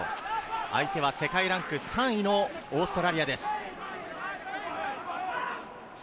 相手は世界ランク３位のオーストラリアです。